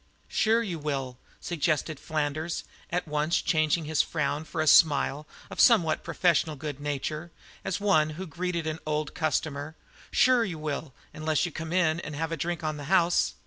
"Sure you will," suggested Flanders, at once changing his frown for a smile of somewhat professional good nature, as one who greeted an old customer, "sure you will unless you come in an' have a drink on the house.